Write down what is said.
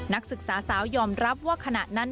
นักศึกษาสาวยอมรับว่าขณะนั้น